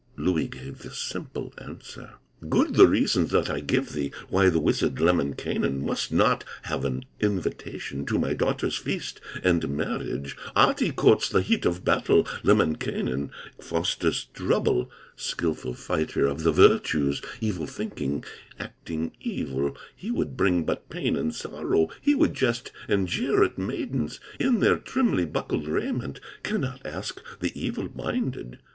Louhi gave this simple answer: "Good the reasons that I give thee Why the wizard, Lemminkainen, Must not have an invitation To my daughter's feast and marriage: Ahti courts the heat of battle, Lemminkainen fosters trouble, Skilful fighter of the virtues; Evil thinking, acting evil, He would bring but pain and sorrow, He would jest and jeer at maidens In their trimly buckled raiment, Cannot ask the evil minded!"